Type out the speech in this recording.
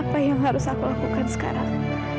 apa yang harus aku lakukan sekarang